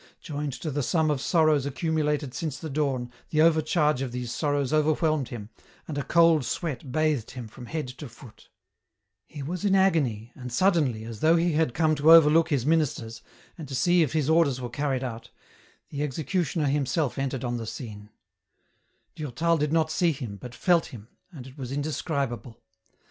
Joined to the sum of sorrows accumulated since the dawn, the overcharge of these sorrows overwhelmed him, and a cold sweat bathed him from head to foot* He was in agony, and suddenly, as though he had come to overlook his ministers, and to see if his orders were carried out, the executioner himself entered on the scene Durtal did not see him, but felt him, and it was indescribable.